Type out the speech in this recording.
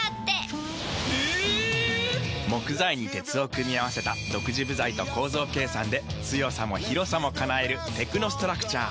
木材に鉄を組み合わせた独自部材と構造計算で強さも広さも叶えるテクノストラクチャー。